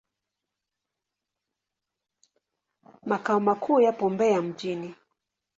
Makao makuu yapo Mbeya mjini.